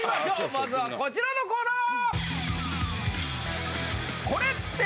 まずはこちらのコーナー。